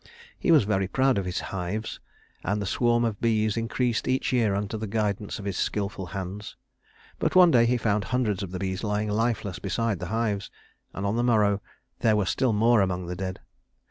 He was very proud of his hives, and the swarm of bees increased each year under the guidance of his skillful hands; but one day he found hundreds of the bees lying lifeless beside the hives, and on the morrow there were still more among the dead.